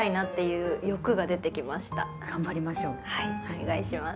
お願いします。